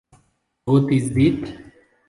God Is Dead?